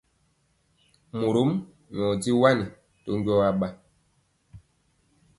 Morom nyɔ di wani to njɔɔ aɓa.